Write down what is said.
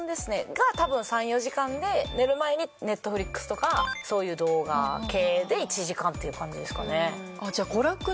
が多分３４時間で寝る前にＮｅｔｆｌｉｘとかそういう動画系で１時間っていう感じですかね。